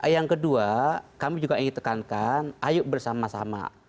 yang kedua kami juga ingin tekankan ayo bersama sama